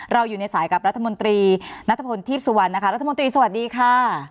อยู่ในสายกับรัฐมนตรีนัทพลทีพสุวรรณนะคะรัฐมนตรีสวัสดีค่ะ